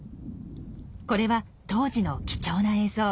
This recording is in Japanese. これは当時の貴重な映像。